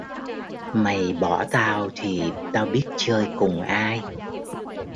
Mày bỏ tao thì tao biết chơi cùng ai